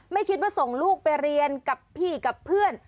ไม่คิดว่าส่งลูกไปเรียนกับพี่กับเพื่อน